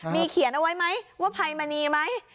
มีเขียนเอาไว้ไหมว่าภัยมณีไหม